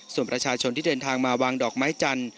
ส่วนประชาชนที่เดินทางมาวางดอกไม้จันทร์